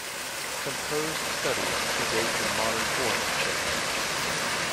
Composed studies predate the modern form of chess.